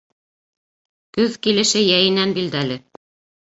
Көҙ килеше йәйенән билдәле.